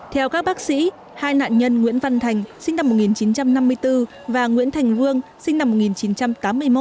theo các bác sĩ hai nạn nhân nguyễn văn thành sinh năm một nghìn chín trăm năm mươi bốn và nguyễn thành vương sinh năm một nghìn chín trăm tám mươi một